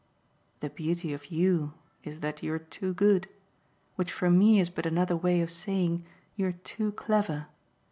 "The beauty of YOU is that you're too good; which for me is but another way of saying you're too clever.